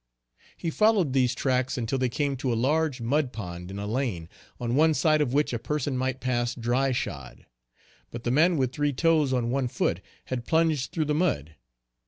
He followed these tracks until they came to a large mud pond in a lane on one side of which a person might pass dry shod; but the man with three toes on one foot had plunged through the mud.